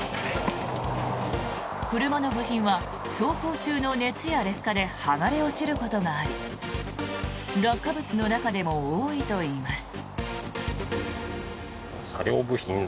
車の部品は走行中の熱や劣化で剥がれ落ちることがあり落下物の中でも多いといいます。